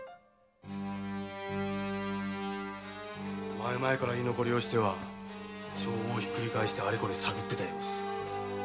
前々から居残りをしては帳簿をひっくり返してあれこれ探っていた様子。